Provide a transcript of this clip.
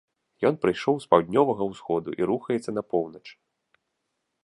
Ён прыйшоў з паўднёвага ўсходу і рухаецца на поўнач.